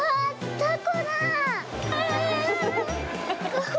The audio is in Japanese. たこだ！